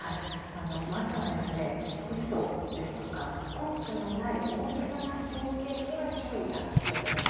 まずは、嘘ですとか根拠のない大げさな表現には注意が必要なんです。